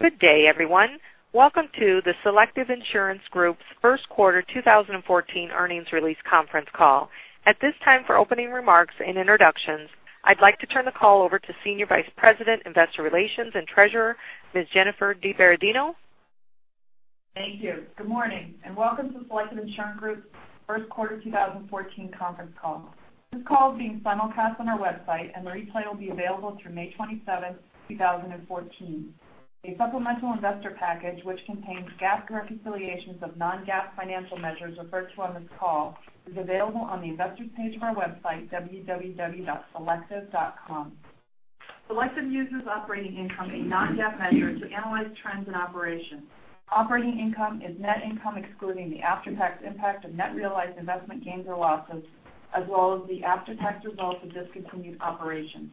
Good day, everyone. Welcome to the Selective Insurance Group's first quarter 2014 earnings release conference call. At this time, for opening remarks and introductions, I'd like to turn the call over to Senior Vice President, Investor Relations and Treasurer, Ms. Jennifer DiBerardino. Thank you. Good morning. Welcome to the Selective Insurance Group's first quarter 2014 conference call. This call is being simulcast on our website, and the replay will be available through May 27th, 2014. A supplemental investor package, which contains GAAP reconciliations of non-GAAP financial measures referred to on this call, is available on the investor's page of our website, www.selective.com. Selective uses operating income, a non-GAAP measure, to analyze trends in operations. Operating income is net income excluding the after-tax impact of net realized investment gains or losses, as well as the after-tax results of discontinued operations.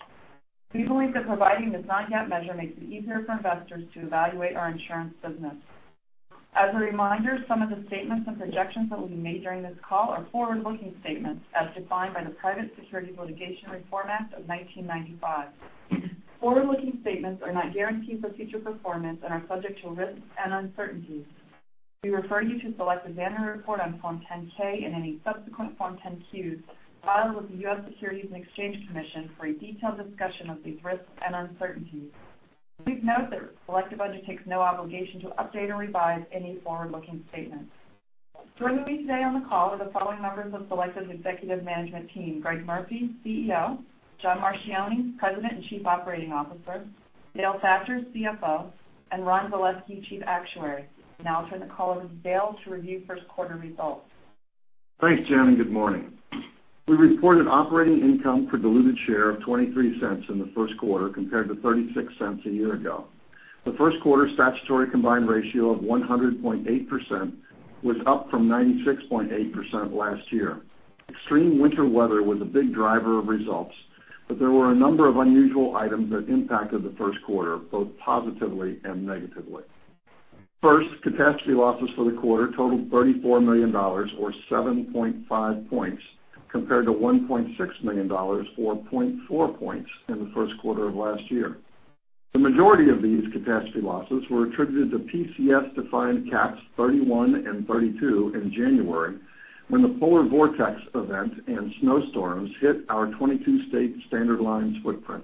We believe that providing this non-GAAP measure makes it easier for investors to evaluate our insurance business. As a reminder, some of the statements and projections that will be made during this call are forward-looking statements as defined by the Private Securities Litigation Reform Act of 1995. Forward-looking statements are not guarantees of future performance and are subject to risks and uncertainties. We refer you to Selective's annual report on Form 10-K and any subsequent Form 10-Qs filed with the U.S. Securities and Exchange Commission for a detailed discussion of these risks and uncertainties. Please note that Selective undertakes no obligation to update or revise any forward-looking statements. Joining me today on the call are the following members of Selective's executive management team: Greg Murphy, CEO; John Marchioni, President and Chief Operating Officer; Dale Thatcher, CFO; and Ron Valesky, Chief Actuary. I'll now turn the call over to Dale to review first quarter results. Thanks, Jen. Good morning. We reported operating income per diluted share of $0.23 in the first quarter compared to $0.36 a year ago. The first quarter statutory combined ratio of 100.8% was up from 96.8% last year. Extreme winter weather was a big driver of results. There were a number of unusual items that impacted the first quarter, both positively and negatively. First, catastrophe losses for the quarter totaled $34 million, or 7.5 points, compared to $1.6 million, or 0.4 points, in the first quarter of last year. The majority of these catastrophe losses were attributed to PCS-defined cats 31 and 32 in January, when the polar vortex event and snowstorms hit our 22-state standard lines footprint.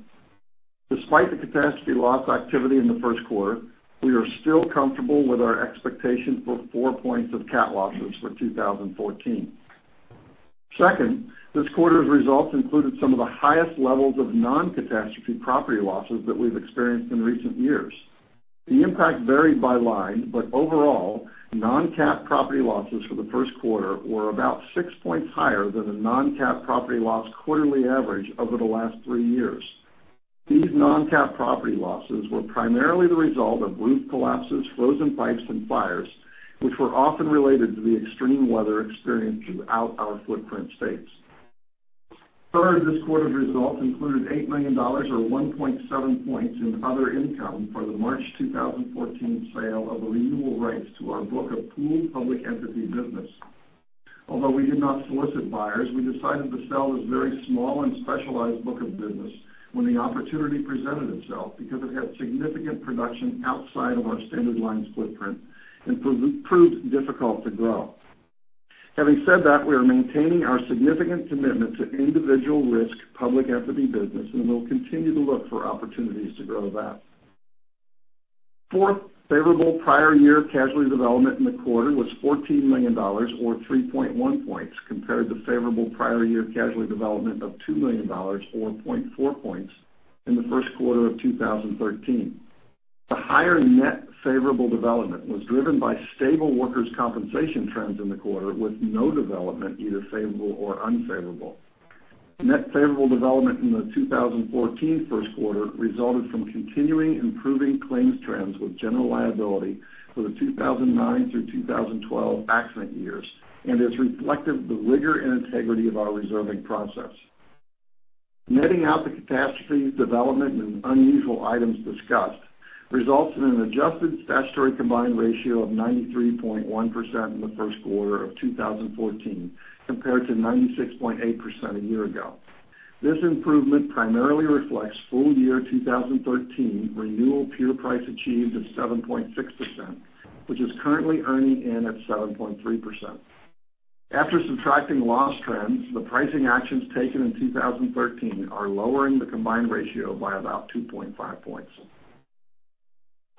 Despite the catastrophe loss activity in the first quarter, we are still comfortable with our expectation for four points of cat losses for 2014. Second, this quarter's results included some of the highest levels of non-catastrophe property losses that we've experienced in recent years. The impact varied by line, but overall, non-cat property losses for the first quarter were about six points higher than the non-cat property loss quarterly average over the last three years. These non-cat property losses were primarily the result of roof collapses, frozen pipes, and fires, which were often related to the extreme weather experienced throughout our footprint states. Third, this quarter's results included $8 million, or 1.7 points, in other income for the March 2014 sale of the renewal rights to our book of pooled public entity business. Although we did not solicit buyers, we decided to sell this very small and specialized book of business when the opportunity presented itself because it had significant production outside of our standard lines footprint and proved difficult to grow. Having said that, we are maintaining our significant commitment to individual risk public entity business, we'll continue to look for opportunities to grow that. Fourth, favorable prior year casualty development in the quarter was $14 million or 3.1 points compared to favorable prior year casualty development of $2 million or 0.4 points in the first quarter of 2013. The higher net favorable development was driven by stable workers' compensation trends in the quarter, with no development either favorable or unfavorable. Net favorable development in the 2014 first quarter resulted from continuing improving claims trends with general liability for the 2009 through 2012 accident years and is reflective of the rigor and integrity of our reserving process. Netting out the catastrophes, development, and unusual items discussed results in an adjusted statutory combined ratio of 93.1% in the first quarter of 2014 compared to 96.8% a year ago. This improvement primarily reflects full year 2013 renewal pure price achieved of 7.6%, which is currently earning in at 7.3%. After subtracting loss trends, the pricing actions taken in 2013 are lowering the combined ratio by about 2.5 points.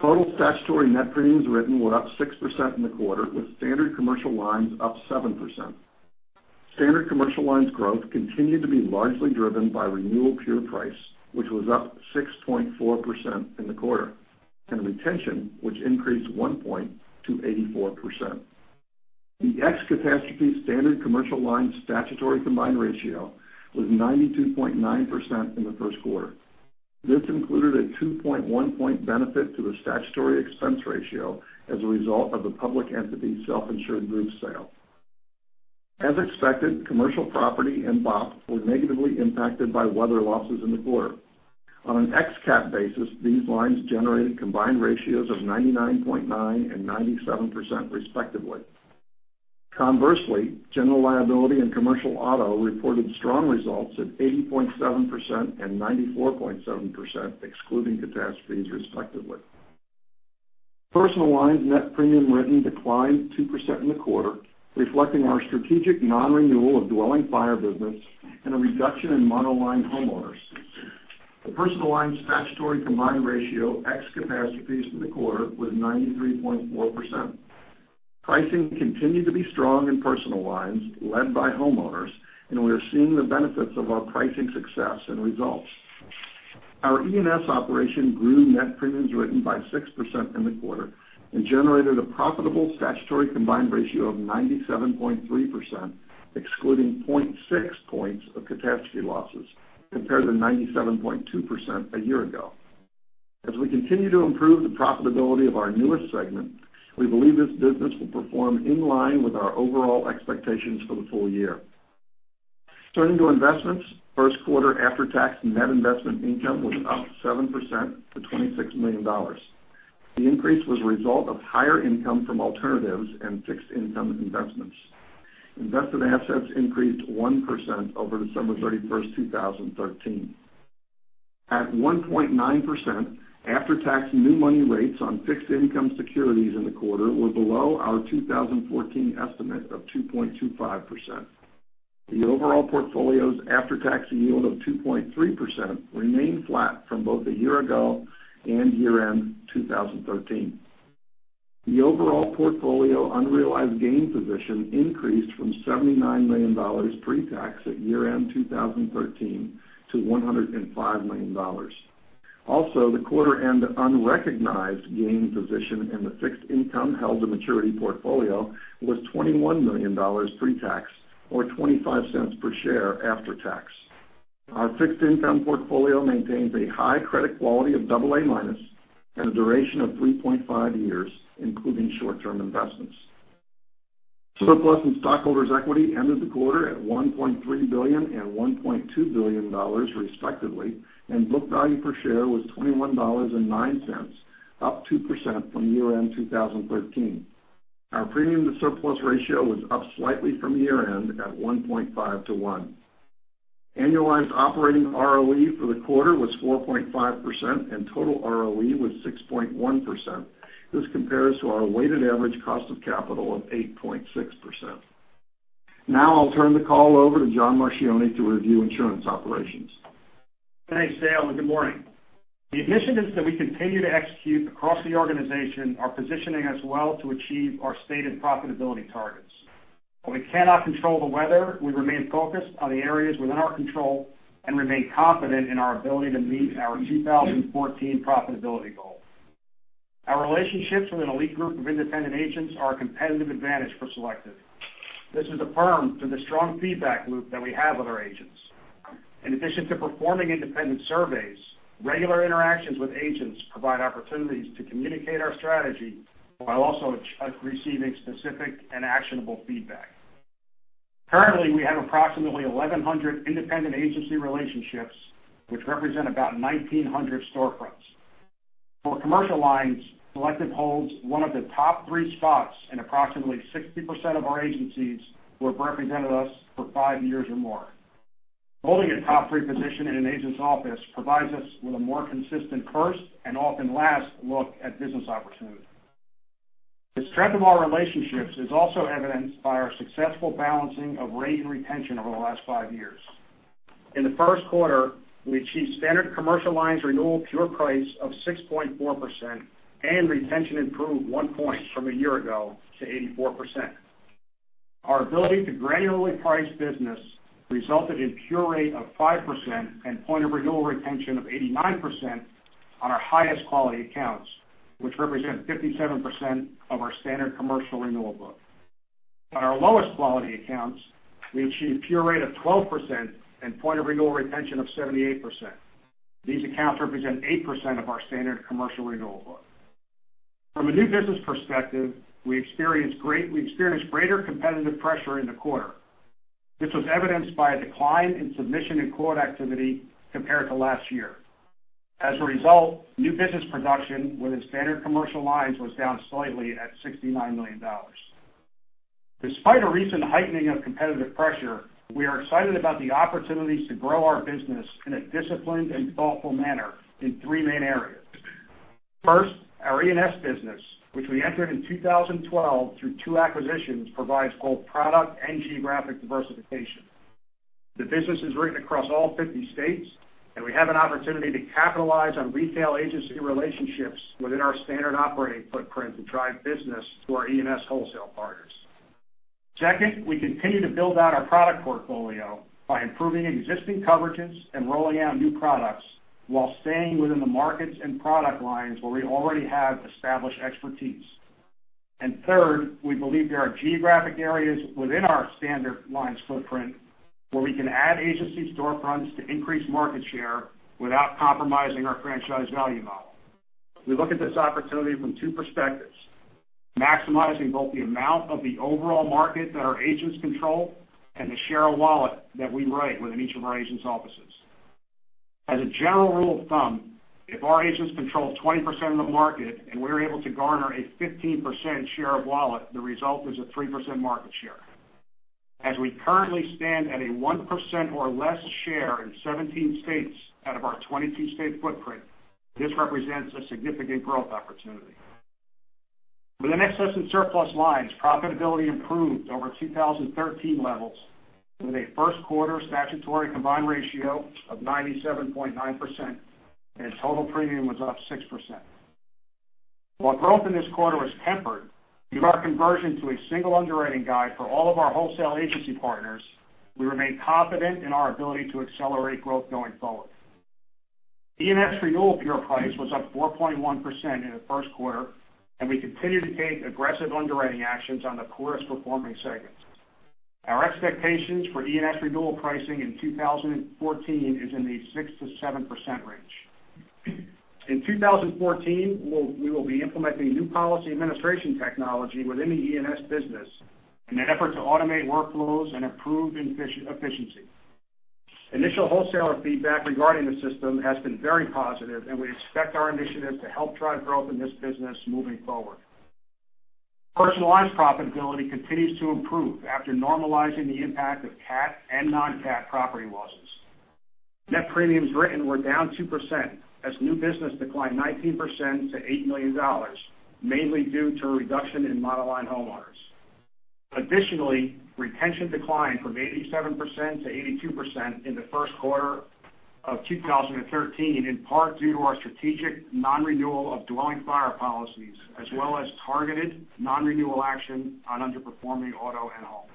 Total statutory net premiums written were up 6% in the quarter, with standard commercial lines up 7%. Standard commercial lines growth continued to be largely driven by renewal pure price, which was up 6.4% in the quarter, and retention, which increased one point to 84%. The ex-catastrophe standard commercial lines statutory combined ratio was 92.9% in the first quarter. This included a 2.1 point benefit to the statutory expense ratio as a result of the public entity self-insured group sale. As expected, commercial property and BOP were negatively impacted by weather losses in the quarter. On an ex-cat basis, these lines generated combined ratios of 99.9% and 97%, respectively. Conversely, general liability and commercial auto reported strong results at 80.7% and 94.7%, excluding catastrophes, respectively. Personal lines net premium written declined 2% in the quarter, reflecting our strategic non-renewal of dwelling fire business and a reduction in monoline homeowners. The personal lines statutory combined ratio ex catastrophes for the quarter was 93.4%. Pricing continued to be strong in personal lines led by homeowners, and we are seeing the benefits of our pricing success and results. Our E&S operation grew net premiums written by 6% in the quarter and generated a profitable statutory combined ratio of 97.3%, excluding 0.6 points of catastrophe losses, compared to 97.2% a year ago. As we continue to improve the profitability of our newest segment, we believe this business will perform in line with our overall expectations for the full year. Turning to investments, first quarter after-tax net investment income was up 7% to $26 million. The increase was a result of higher income from alternatives and fixed income investments. Invested assets increased 1% over December 31, 2013. At 1.9%, after-tax new money rates on fixed income securities in the quarter were below our 2014 estimate of 2.25%. The overall portfolio's after-tax yield of 2.3% remained flat from both a year ago and year-end 2013. The overall portfolio unrealized gain position increased from $79 million pre-tax at year-end 2013 to $105 million. Also, the quarter-end unrecognized gain position in the fixed income held to maturity portfolio was $21 million pre-tax, or $0.25 per share after tax. Our fixed income portfolio maintains a high credit quality of AA- and a duration of 3.5 years, including short-term investments. Surplus and stockholders' equity ended the quarter at $1.3 billion and $1.2 billion, respectively, and book value per share was $21.09, up 2% from year-end 2013. Our premium to surplus ratio was up slightly from year-end at 1.5 to one. Annualized operating ROE for the quarter was 4.5%, and total ROE was 6.1%. This compares to our weighted average cost of capital of 8.6%. I'll turn the call over to John Marchioni to review insurance operations. Thanks, Dale, and good morning. The initiatives that we continue to execute across the organization are positioning us well to achieve our stated profitability targets. While we cannot control the weather, we remain focused on the areas within our control and remain confident in our ability to meet our 2014 profitability goals. Our relationships with an elite group of independent agents are a competitive advantage for Selective. This is affirmed through the strong feedback loop that we have with our agents. In addition to performing independent surveys, regular interactions with agents provide opportunities to communicate our strategy while also receiving specific and actionable feedback. Currently, we have approximately 1,100 independent agency relationships, which represent about 1,900 storefronts. For commercial lines, Selective holds one of the top three spots in approximately 60% of our agencies who have represented us for five years or more. Holding a top three position in an agent's office provides us with a more consistent first, and often last, look at business opportunities. The strength of our relationships is also evidenced by our successful balancing of rate and retention over the last five years. In the first quarter, we achieved standard commercial lines renewal pure price of 6.4%, and retention improved one point from a year ago to 84%. Our ability to granularly price business resulted in pure rate of 5% and point of renewal retention of 89% on our highest quality accounts, which represent 57% of our standard commercial renewal book. On our lowest quality accounts, we achieved pure rate of 12% and point of renewal retention of 78%. These accounts represent 8% of our standard commercial renewal book. From a new business perspective, we experienced greater competitive pressure in the quarter. This was evidenced by a decline in submission and quote activity compared to last year. As a result, new business production within standard commercial lines was down slightly at $69 million. Despite a recent heightening of competitive pressure, we are excited about the opportunities to grow our business in a disciplined and thoughtful manner in three main areas. First, our E&S business, which we entered in 2012 through two acquisitions, provides both product and geographic diversification. The business is written across all 50 states, and we have an opportunity to capitalize on retail agency relationships within our standard operating footprint to drive business to our E&S wholesale partners. Second, we continue to build out our product portfolio by improving existing coverages and rolling out new products while staying within the markets and product lines where we already have established expertise. Third, we believe there are geographic areas within our standard lines footprint where we can add agency storefronts to increase market share without compromising our franchise value model. We look at this opportunity from two perspectives, maximizing both the amount of the overall market that our agents control and the share of wallet that we write within each of our agents' offices. As a general rule of thumb, if our agents control 20% of the market and we're able to garner a 15% share of wallet, the result is a 3% market share. As we currently stand at a 1% or less share in 17 states out of our 22-state footprint, this represents a significant growth opportunity. For the excess in surplus lines, profitability improved over 2013 levels with a first quarter statutory combined ratio of 97.9%, and total premium was up 6%. While growth in this quarter was tempered due to our conversion to a single underwriting guide for all of our wholesale agency partners, we remain confident in our ability to accelerate growth going forward. E&S renewal pure price was up 4.1% in the first quarter, and we continue to take aggressive underwriting actions on the poorest-performing segments. Our expectations for E&S renewal pricing in 2014 is in the 6%-7% range. In 2014, we will be implementing new policy administration technology within the E&S business in an effort to automate workflows and improve efficiency. Initial wholesaler feedback regarding the system has been very positive, and we expect our initiative to help drive growth in this business moving forward. Personal lines profitability continues to improve after normalizing the impact of cat and non-cat property losses. Net premiums written were down 2% as new business declined 19% to $8 million, mainly due to a reduction in monoline homeowners. Additionally, retention declined from 87%-82% in the first quarter of 2013, in part due to our strategic non-renewal of dwelling fire policies, as well as targeted non-renewal action on underperforming auto and home.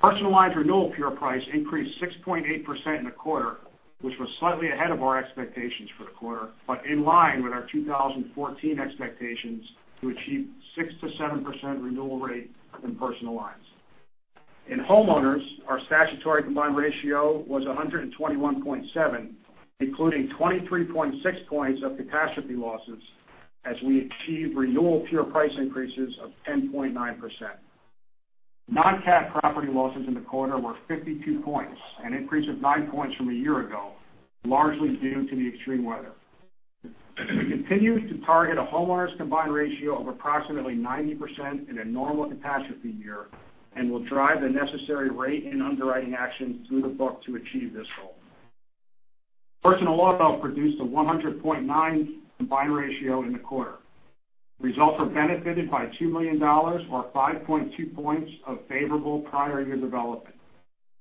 Personal lines renewal pure price increased 6.8% in the quarter, which was slightly ahead of our expectations for the quarter, but in line with our 2014 expectations to achieve 6%-7% renewal rate in personal lines. In homeowners, our statutory combined ratio was 121.7%, including 23.6 points of catastrophe losses, as we achieved renewal pure price increases of 10.9%. Non-cat property losses in the quarter were 52 points, an increase of nine points from a year ago, largely due to the extreme weather. We continue to target a homeowners combined ratio of approximately 90% in a normal catastrophe year and will drive the necessary rate and underwriting action through the book to achieve this goal. Personal auto produced a 100.9 combined ratio in the quarter. Results are benefited by $2 million or 5.2 points of favorable prior year development.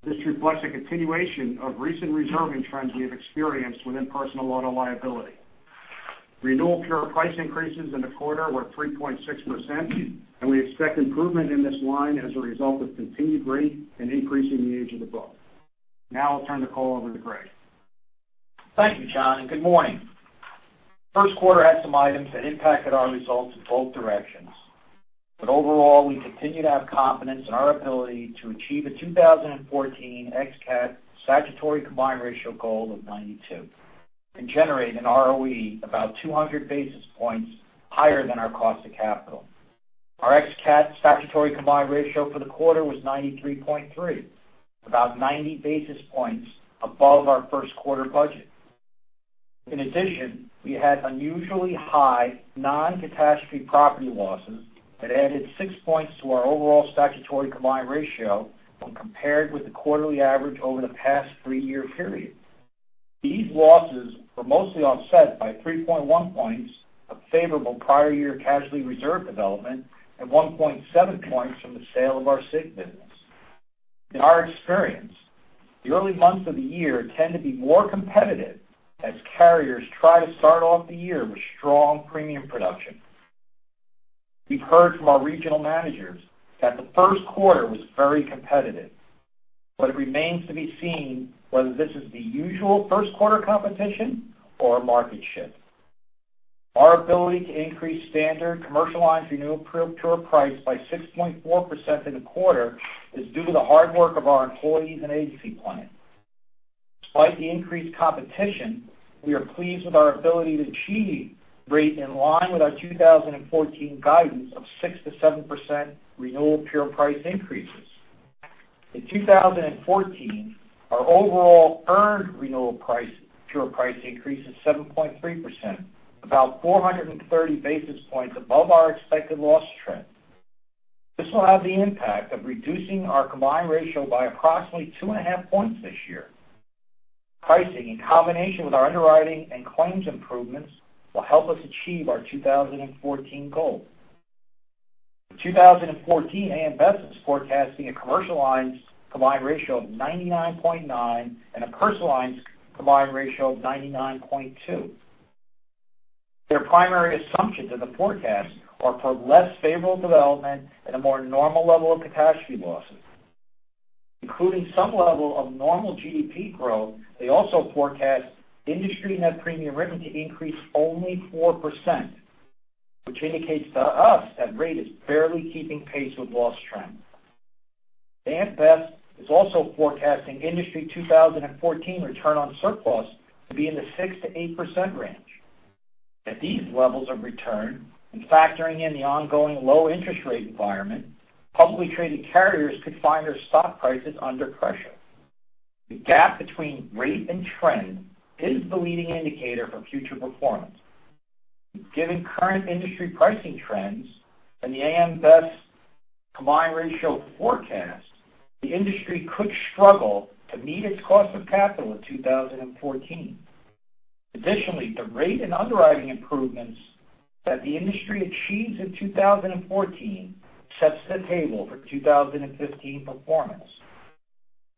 This reflects a continuation of recent reserving trends we have experienced within personal auto liability. Renewal pure price increases in the quarter were 3.6%, and we expect improvement in this line as a result of continued rate and increasing the age of the book. Now I'll turn the call over to Greg. Thank you, John, and good morning. First quarter had some items that impacted our results in both directions. Overall, we continue to have confidence in our ability to achieve a 2014 ex-cat statutory combined ratio goal of 92 and generate an ROE about 200 basis points higher than our cost of capital. Our ex-cat statutory combined ratio for the quarter was 93.3, about 90 basis points above our first quarter budget. In addition, we had unusually high non-catastrophe property losses that added six points to our overall statutory combined ratio when compared with the quarterly average over the past three-year period. These losses were mostly offset by 3.1 points of favorable prior year casualty reserve development and 1.7 points from the sale of our SIG business. In our experience, the early months of the year tend to be more competitive as carriers try to start off the year with strong premium production. We've heard from our regional managers that the first quarter was very competitive, but it remains to be seen whether this is the usual first quarter competition or a market shift. Our ability to increase standard commercial lines renewal pure price by 6.4% in the quarter is due to the hard work of our employees and agency plan. Despite the increased competition, we are pleased with our ability to achieve rate in line with our 2014 guidance of 6%-7% renewal pure price increases. In 2014, our overall earned renewal pure price increase is 7.3%, about 430 basis points above our expected loss trend. This will have the impact of reducing our combined ratio by approximately two and a half points this year. Pricing, in combination with our underwriting and claims improvements, will help us achieve our 2014 goal. In 2014, A.M. Best is forecasting a commercial lines combined ratio of 99.9 and a personal lines combined ratio of 99.2. Their primary assumptions in the forecast are for less favorable development and a more normal level of catastrophe losses. Including some level of normal GDP growth, they also forecast industry net premium written to increase only 4%, which indicates to us that rate is barely keeping pace with loss trend. A.M. Best is also forecasting industry 2014 return on surplus to be in the 6%-8% range. At these levels of return and factoring in the ongoing low interest rate environment, publicly traded carriers could find their stock prices under pressure. The gap between rate and trend is the leading indicator for future performance. Given current industry pricing trends and the A.M. Best combined ratio forecast, the industry could struggle to meet its cost of capital in 2014. Additionally, the rate and underwriting improvements that the industry achieves in 2014 sets the table for 2015 performance.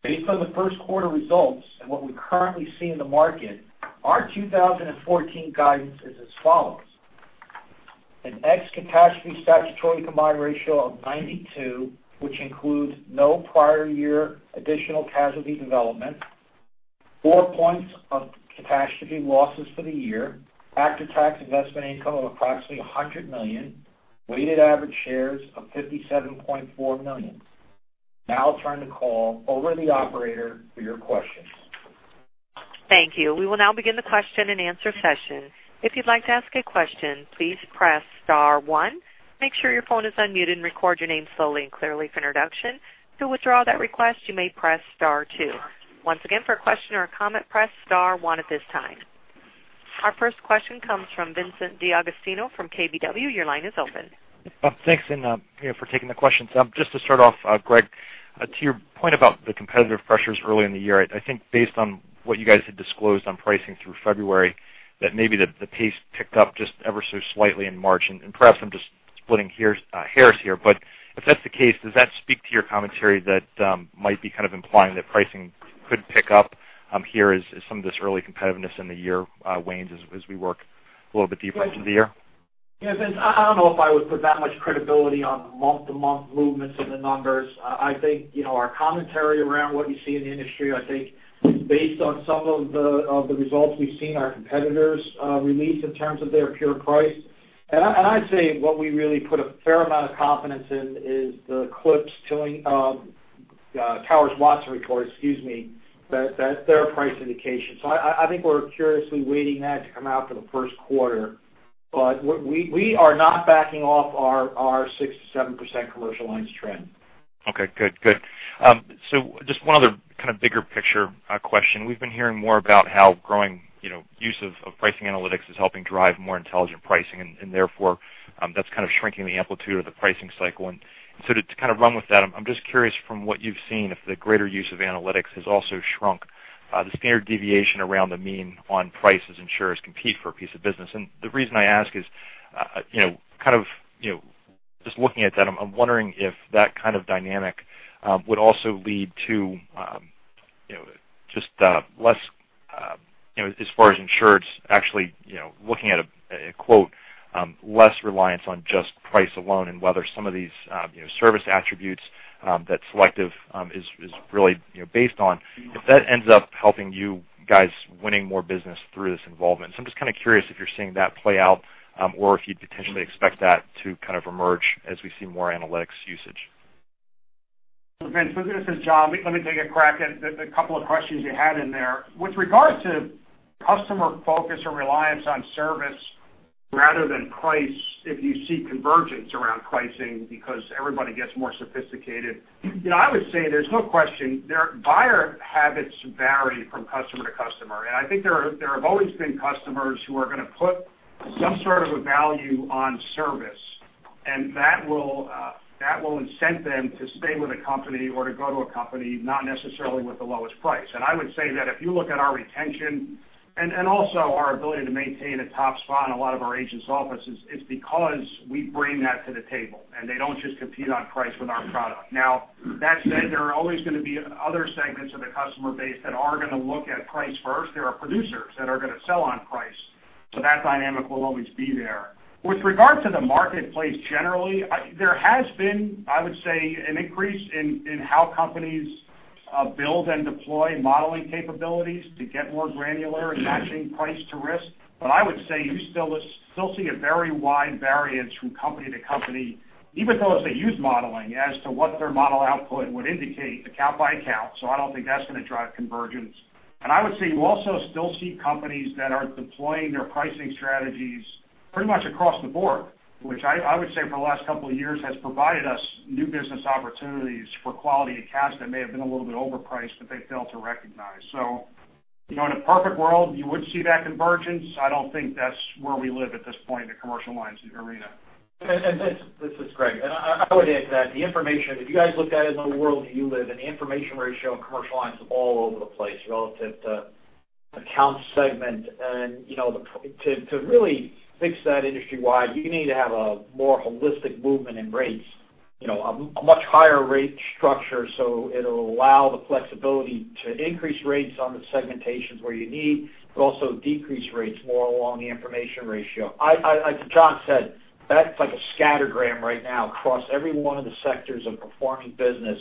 Based on the first quarter results and what we currently see in the market, our 2014 guidance is as follows. An ex-catastrophe statutory combined ratio of 92, which includes no prior year additional casualty development, four points of catastrophe losses for the year, after-tax investment income of approximately $100 million, weighted average shares of 57.4 million. I'll turn the call over to the operator for your questions. Thank you. We will now begin the question and answer session. If you'd like to ask a question, please press star one. Make sure your phone is unmuted and record your name slowly and clearly for introduction. To withdraw that request, you may press star two. Once again, for a question or a comment, press star one at this time. Our first question comes from Vincent DeAugustino from KBW. Your line is open. Bob, thanks for taking the questions. Just to start off, Greg, to your point about the competitive pressures early in the year, I think based on what you guys had disclosed on pricing through February, that maybe the pace picked up just ever so slightly in March. Perhaps I'm just splitting hairs here, but if that's the case, does that speak to your commentary that might be kind of implying that pricing could pick up here as some of this early competitiveness in the year wanes as we work a little bit deeper into the year? Yes, Vince, I don't know if I would put that much credibility on month-to-month movements in the numbers. I think our commentary around what we see in the industry, I think based on some of the results we've seen our competitors release in terms of their pure price. I'd say what we really put a fair amount of confidence in is the Towers Watson report. That's their price indication. I think we're curiously awaiting that to come out for the first quarter. We are not backing off our 6%-7% commercial lines trend. Okay, good. Just one other kind of bigger picture question. We've been hearing more about how growing use of pricing analytics is helping drive more intelligent pricing, and therefore that's kind of shrinking the amplitude of the pricing cycle. I'm just curious from what you've seen, if the greater use of analytics has also shrunk the standard deviation around the mean on price as insurers compete for a piece of business. The reason I ask is, kind of just looking at that, I'm wondering if that kind of dynamic would also lead to just less, as far as insureds actually looking at a quote, less reliance on just price alone and whether some of these service attributes that Selective is really based on, if that ends up helping you guys winning more business through this involvement. I'm just kind of curious if you're seeing that play out or if you'd potentially expect that to kind of emerge as we see more analytics usage. Vince, this is John. Let me take a crack at the couple of questions you had in there. With regards to customer focus or reliance on service rather than price if you see convergence around pricing because everybody gets more sophisticated. I would say there's no question their buyer habits vary from customer to customer. I think there have always been customers who are going to put some sort of a value on service, and that will incent them to stay with a company or to go to a company, not necessarily with the lowest price. I would say that if you look at our retention and also our ability to maintain a top spot in a lot of our agents' offices, it's because we bring that to the table, and they don't just compete on price with our product. Now, that said, there are always going to be other segments of the customer base that are going to look at price first. There are producers that are going to sell on price. That dynamic will always be there. With regard to the marketplace generally, there has been, I would say, an increase in how companies build and deploy modeling capabilities to get more granular in matching price to risk. I would say you still see a very wide variance from company to company, even those that use modeling as to what their model output would indicate account by account. I don't think that's going to drive convergence. I would say you also still see companies that are deploying their pricing strategies pretty much across the board, which I would say for the last couple of years has provided us new business opportunities for quality accounts that may have been a little bit overpriced, but they failed to recognize. In a perfect world, you would see that convergence. I don't think that's where we live at this point in the commercial lines arena. Vince, this is Greg. I would add to that the information, if you guys looked at it in the world you live in, the information ratio in commercial lines is all over the place relative to account segment. To really fix that industry wide, you need to have a more holistic movement in rates, a much higher rate structure so it'll allow the flexibility to increase rates on the segmentations where you need, but also decrease rates more along the information ratio. Like John said, that's like a scattergram right now across every one of the sectors of performing business,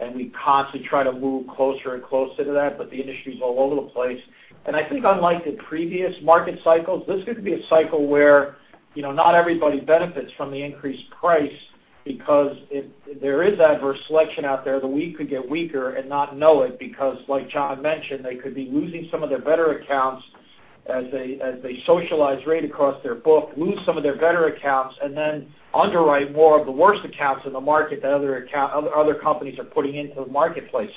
and we constantly try to move closer and closer to that, but the industry's all over the place. I think unlike the previous market cycles, this is going to be a cycle where not everybody benefits from the increased price because there is adverse selection out there. The weak could get weaker and not know it because like John mentioned, they could be losing some of their better accounts as they socialize rate across their book, lose some of their better accounts, and then underwrite more of the worst accounts in the market that other companies are putting into the marketplace.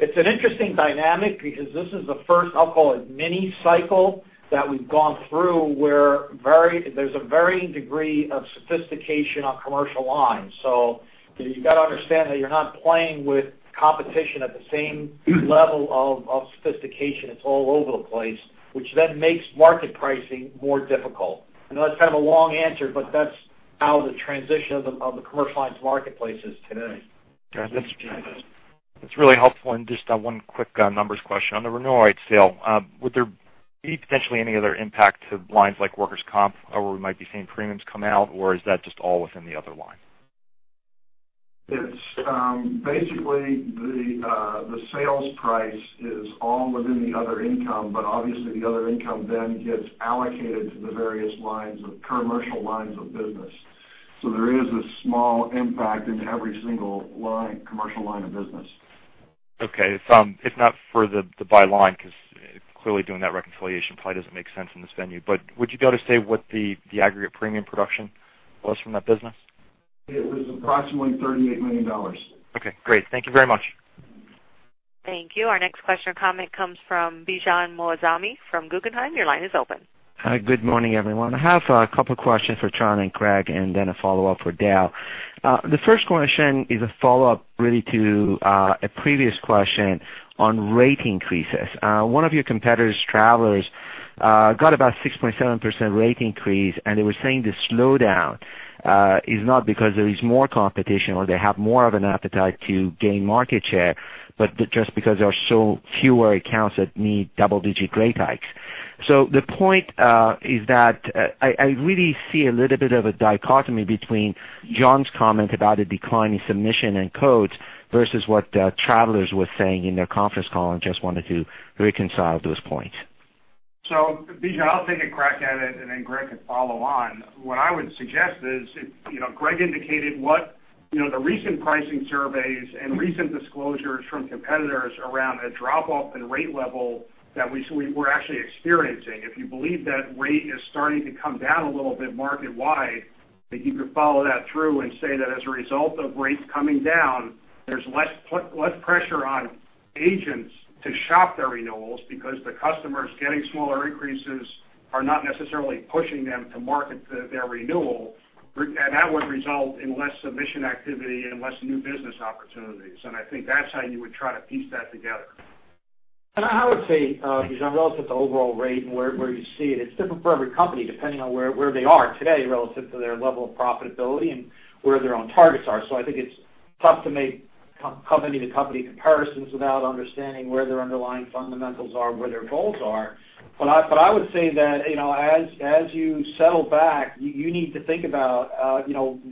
It's an interesting dynamic because this is the first, I'll call it mini cycle, that we've gone through where there's a varying degree of sophistication on commercial lines. You've got to understand that you're not playing with competition at the same level of sophistication. It's all over the place, which then makes market pricing more difficult. I know that's kind of a long answer, but that's how the transition of the commercial lines marketplace is today. That's really helpful. Just one quick numbers question. On the Renewal Right sale, would there be potentially any other impact to lines like workers' comp, or we might be seeing premiums come out, or is that just all within the other line? It's basically the sales price is all within the other income. Obviously the other income then gets allocated to the various lines of commercial lines of business. There is a small impact into every single commercial line of business. Okay. If not for the by line, because clearly doing that reconciliation probably doesn't make sense in this venue, would you be able to say what the aggregate premium production was from that business? It was approximately $38 million. Okay, great. Thank you very much. Thank you. Our next question or comment comes from Bijan Moazami from Guggenheim. Your line is open. Hi. Good morning, everyone. I have a couple questions for John and Greg, then a follow-up for Dale. The first question is a follow-up really to a previous question on rate increases. One of your competitors, Travelers, got about 6.7% rate increase, and they were saying the slowdown is not because there is more competition or they have more of an appetite to gain market share, but just because there are so fewer accounts that need double-digit rate hikes. The point is that I really see a little bit of a dichotomy between John's comment about the decline in submission and quotes versus what Travelers was saying in their conference call and just wanted to reconcile those points. Bijan, I'll take a crack at it and then Greg could follow on. What I would suggest is, Greg indicated what the recent pricing surveys and recent disclosures from competitors around a drop-off in rate level that we're actually experiencing. If you believe that rate is starting to come down a little bit market-wide, that you could follow that through and say that as a result of rates coming down, there's less pressure on agents to shop their renewals because the customers getting smaller increases are not necessarily pushing them to market their renewal. That would result in less submission activity and less new business opportunities. I think that's how you would try to piece that together. I would say, Bijan, relative to overall rate and where you see it's different for every company, depending on where they are today relative to their level of profitability and where their own targets are. I think it's tough to make company to company comparisons without understanding where their underlying fundamentals are and where their goals are. I would say that as you settle back, you need to think about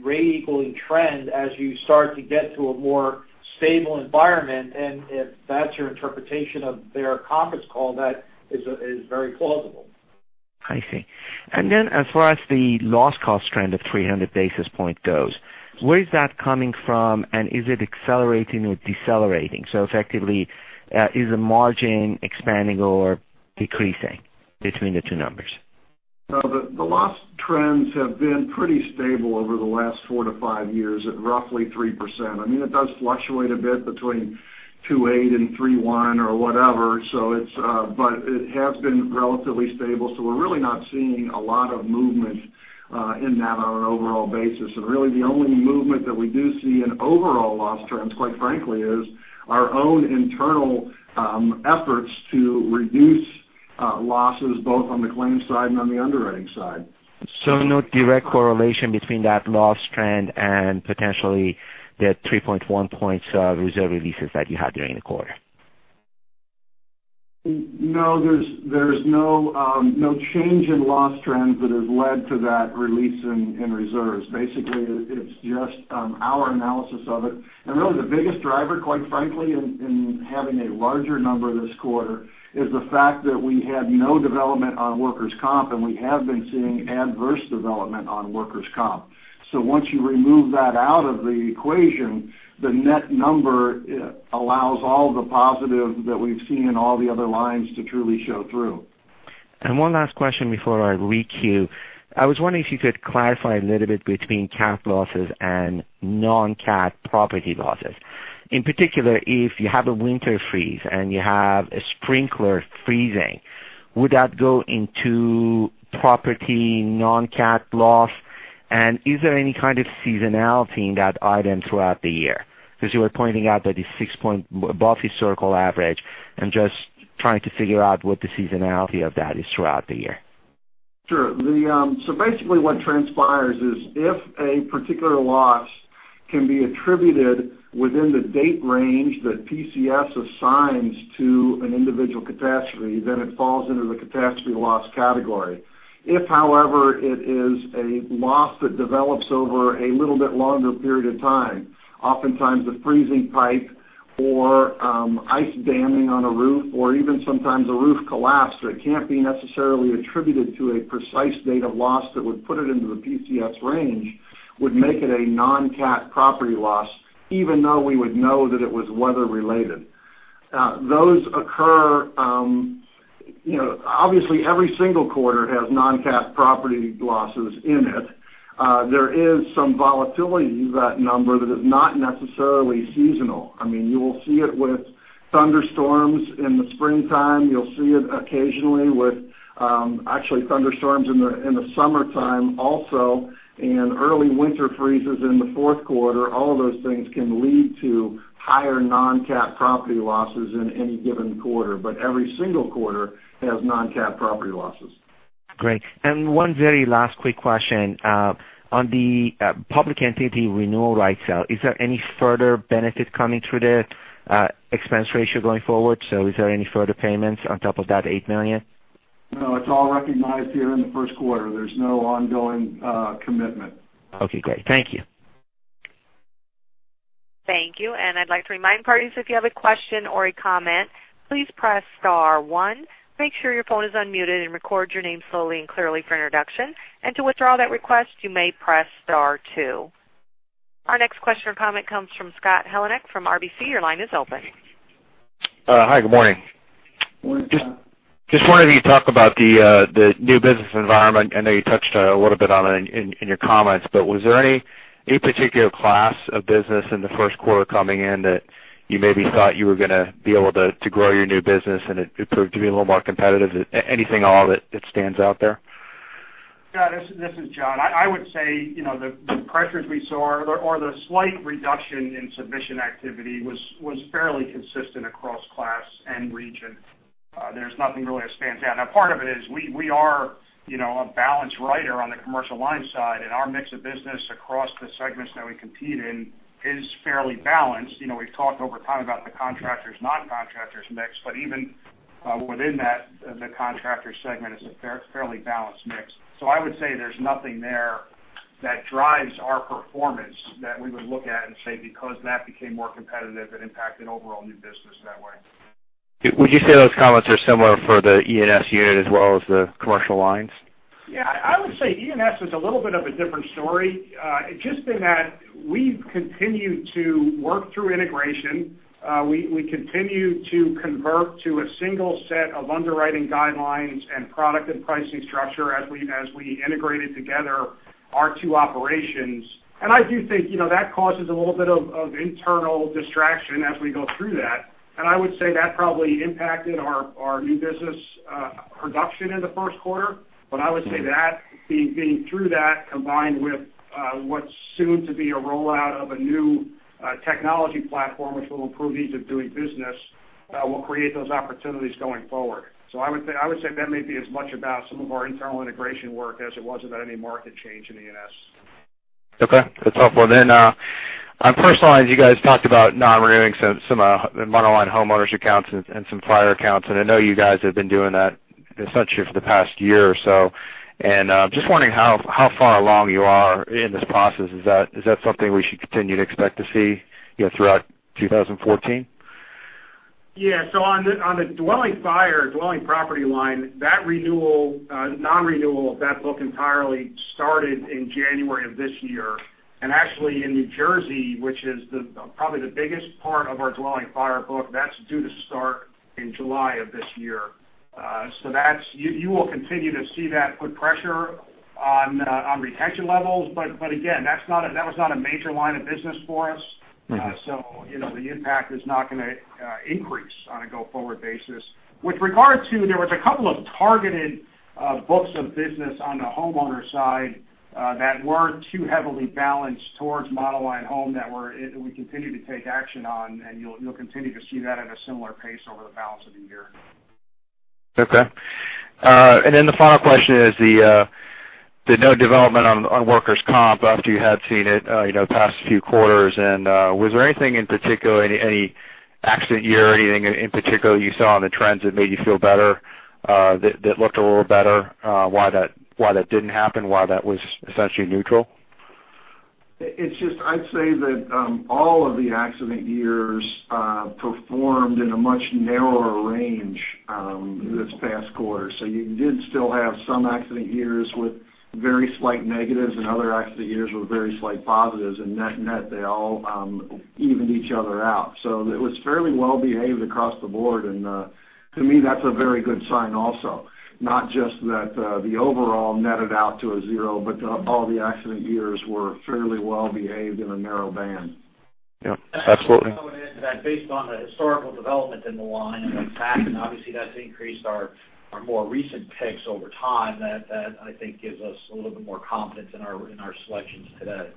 rate equaling trend as you start to get to a more stable environment, and if that's your interpretation of their conference call, that is very plausible. I see. As far as the loss cost trend of 300 basis points goes, where is that coming from? Is it accelerating or decelerating? Effectively, is the margin expanding or decreasing between the two numbers? The loss trends have been pretty stable over the last four to five years at roughly 3%. I mean, it does fluctuate a bit between 2.8% and 3.1% or whatever. It has been relatively stable, we're really not seeing a lot of movement in that on an overall basis. Really the only movement that we do see in overall loss trends, quite frankly, is our own internal efforts to reduce losses both on the claims side and on the underwriting side. No direct correlation between that loss trend and potentially the 3.1 points reserve releases that you had during the quarter? No, there's no change in loss trends that has led to that release in reserves. Basically, it's just our analysis of it. Really the biggest driver, quite frankly, in having a larger number this quarter is the fact that we had no development on workers' comp, we have been seeing adverse development on workers' comp. Once you remove that out of the equation, the net number allows all the positive that we've seen in all the other lines to truly show through. One last question before I re-queue. I was wondering if you could clarify a little bit between cat losses and non-cat property losses. In particular, if you have a winter freeze and you have a sprinkler freezing, would that go into property non-cat loss? Is there any kind of seasonality in that item throughout the year? Because you were pointing out that it's six points above historical average, I'm just trying to figure out what the seasonality of that is throughout the year. Basically what transpires is if a particular loss can be attributed within the date range that PCS assigns to an individual catastrophe, then it falls into the catastrophe loss category. If, however, it is a loss that develops over a little bit longer period of time, oftentimes a freezing pipe or ice damming on a roof or even sometimes a roof collapse, so it can't be necessarily attributed to a precise date of loss that would put it into the PCS range, would make it a non-cat property loss, even though we would know that it was weather related. Those occur Obviously, every single quarter has non-cat property losses in it. There is some volatility to that number that is not necessarily seasonal. You will see it with thunderstorms in the springtime. You'll see it occasionally with thunderstorms in the summertime also, and early winter freezes in the fourth quarter. All of those things can lead to higher non-cat property losses in any given quarter. Every single quarter has non-cat property losses. Great. One very last quick question. On the public entity renewal right sale, is there any further benefit coming through the expense ratio going forward? Is there any further payments on top of that $8 million? No, it's all recognized here in the first quarter. There's no ongoing commitment. Okay, great. Thank you. Thank you. I'd like to remind parties, if you have a question or a comment, please press star 1. Make sure your phone is unmuted and record your name slowly and clearly for introduction. To withdraw that request, you may press star 2. Our next question or comment comes from Scott Heleniak from RBC. Your line is open. Hi, good morning. Good morning. Just wondering if you could talk about the new business environment. I know you touched a little bit on it in your comments, but was there any particular class of business in the first quarter coming in that you maybe thought you were going to be able to grow your new business and it proved to be a little more competitive? Anything at all that stands out there? Scott, this is John. I would say, the pressures we saw or the slight reduction in submission activity was fairly consistent across class and region. There's nothing really that stands out. Now, part of it is we are a balanced writer on the commercial line side, and our mix of business across the segments that we compete in is fairly balanced. We've talked over time about the contractors/non-contractors mix, but even within that, the contractor segment is a fairly balanced mix. I would say there's nothing there that drives our performance that we would look at and say, because that became more competitive, it impacted overall new business that way. Would you say those comments are similar for the E&S unit as well as the commercial lines? Yeah, I would say E&S is a little bit of a different story, just in that we've continued to work through integration. We continue to convert to a single set of underwriting guidelines and product and pricing structure as we integrated together our two operations. I do think that causes a little bit of internal distraction as we go through that. I would say that probably impacted our new business production in the first quarter. I would say that being through that combined with what's soon to be a rollout of a new technology platform, which will improve ease of doing business, will create those opportunities going forward. I would say that may be as much about some of our internal integration work as it was about any market change in E&S. Okay, that's helpful. On personal lines, you guys talked about non-renewing some monoline homeowners accounts and some fire accounts, I know you guys have been doing that essentially for the past year or so. Just wondering how far along you are in this process. Is that something we should continue to expect to see throughout 2014? Yeah. On the dwelling fire, dwelling property line, that non-renewal of that book entirely started in January of this year. Actually in New Jersey, which is probably the biggest part of our dwelling fire book, that's due to start in July of this year. You will continue to see that put pressure on retention levels, but again, that was not a major line of business for us. The impact is not going to increase on a go-forward basis. There was a couple of targeted books of business on the homeowner side that weren't too heavily balanced towards monoline home that we continue to take action on, you'll continue to see that at a similar pace over the balance of the year. Okay. The final question is the no development on workers' comp after you had seen it the past few quarters. Was there anything in particular, any accident year or anything in particular you saw on the trends that made you feel better, that looked a little better? Why that didn't happen, why that was essentially neutral? I'd say that all of the accident years performed in a much narrower range this past quarter. You did still have some accident years with very slight negatives and other accident years with very slight positives, and net they all evened each other out. It was fairly well behaved across the board, and to me, that's a very good sign also. Not just that the overall netted out to a zero, but all the accident years were fairly well behaved in a narrow band. Yeah, absolutely. I would add to that based on the historical development in the line and the impact, and obviously that's increased our more recent picks over time, that I think gives us a little bit more confidence in our selections today.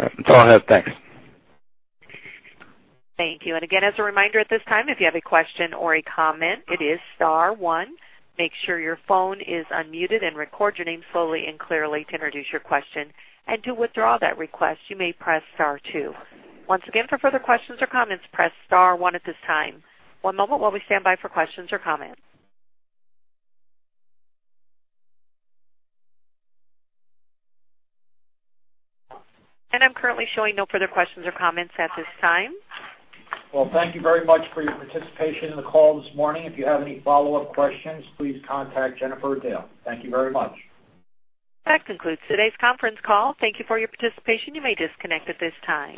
All right. Thanks. Thank you. Again, as a reminder at this time, if you have a question or a comment, it is star one. Make sure your phone is unmuted and record your name slowly and clearly to introduce your question. To withdraw that request, you may press star two. Once again, for further questions or comments, press star one at this time. One moment while we stand by for questions or comments. I'm currently showing no further questions or comments at this time. Well, thank you very much for your participation in the call this morning. If you have any follow-up questions, please contact Jennifer or Dale. Thank you very much. That concludes today's conference call. Thank you for your participation. You may disconnect at this time.